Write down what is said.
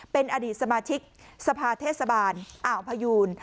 เป็นอดีตสมาชิกสภาเทศบาลอ่าวพยูน